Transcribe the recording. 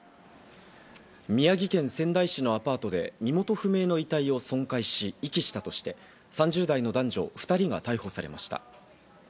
宮城県仙台市のアパートで、身元不明の遺体を損壊し、遺棄したとして３０代の男女２人が逮捕されました。